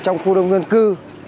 trong khu đông dân cư